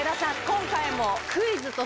今回も。